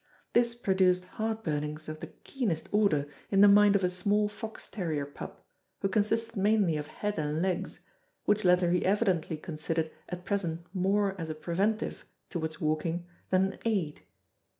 This produced heartburnings of the keenest order in the mind of a small fox terrier pup, who consisted mainly of head and legs, which latter he evidently considered at present more as a preventive towards walking than an aid.